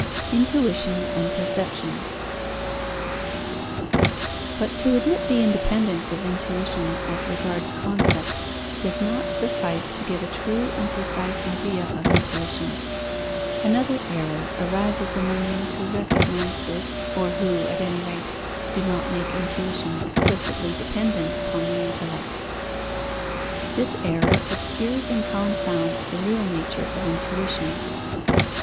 Intuition and perception. But to admit the independence of intuition as regards concept does not suffice to give a true and precise idea of intuition. Another error arises among those who recognize this, or who, at any rate, do not make intuition explicitly dependent upon the intellect. This error obscures and confounds the real nature of intuition.